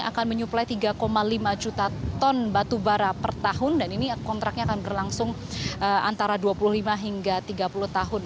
akan menyuplai tiga lima juta ton batubara per tahun dan ini kontraknya akan berlangsung antara dua puluh lima hingga tiga puluh tahun